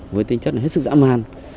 với tinh chất hết sức giã man